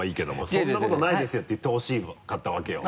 「そんなことないですよ」って言ってほしかったわけよ